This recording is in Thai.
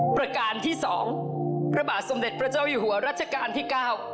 ประการที่สองพระบาทสมเด็จพระเจ้าอยู่หัวรัชกาลที่๙